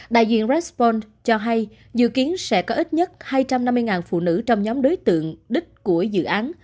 đại diện respront cho hay dự kiến sẽ có ít nhất hai trăm năm mươi phụ nữ trong nhóm đối tượng đích của dự án